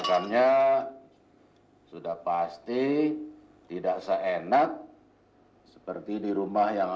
sampai jumpa di video selanjutnya